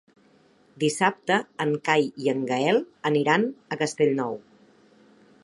Dissabte en Cai i en Gaël aniran a Castellnou.